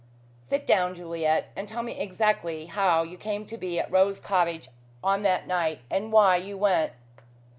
"Sit down, Juliet, and tell me exactly how you came to be at Rose Cottage on that night and why you went."